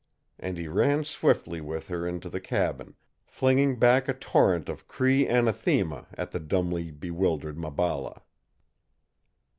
and he ran swiftly with her into the cabin, flinging back a torrent of Cree anathema at the dumbly bewildered Maballa.